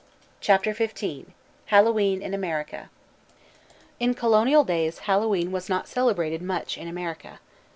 ] CHAPTER XV HALLOWE'EN IN AMERICA In Colonial days Hallowe'en was not celebrated much in America.